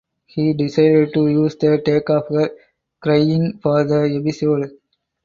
He decided to use the take of her crying for the episode.